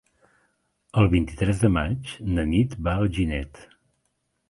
El vint-i-tres de maig na Nit va a Alginet.